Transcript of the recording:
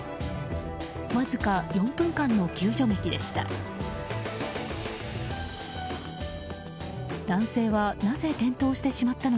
わずか４分間の救助劇でした。